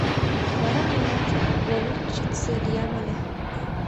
Вара мыят валютчице лиям ыле».